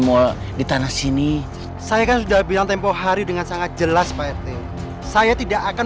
mall di tanah sini saya kan sudah bilang tempoh hari dengan sangat jelas pak rt saya tidak akan